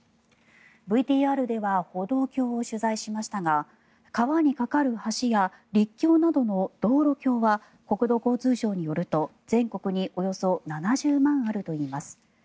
ＶＴＲでは歩道橋を取材しましたが川に架かる橋や陸橋などの道路橋は国土交通省によると全国におよそ７０万あるといいます。